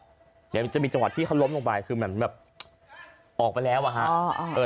เดี๋ยวมันจะมีจังหวะที่เขาล้มลงไปคือเหมือนแบบออกไปแล้วอะฮะ